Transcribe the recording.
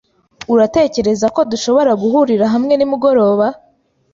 Uratekereza ko dushobora guhurira hamwe nimugoroba?